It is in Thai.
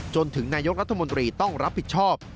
จนถึงนายกรัฐมนตรีต้องรับผิดชอบ